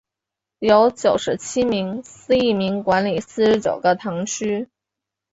由九十七名司铎名管理四十九个堂区。